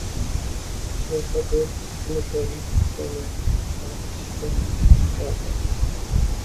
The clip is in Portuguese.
lançador, simultâneo, geométrica, óptica, barras